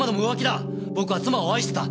僕は妻を愛してた。